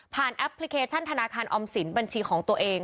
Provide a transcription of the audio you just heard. แอปพลิเคชันธนาคารออมสินบัญชีของตัวเอง